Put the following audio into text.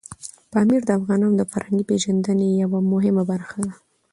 پامیر د افغانانو د فرهنګي پیژندنې یوه مهمه برخه ده.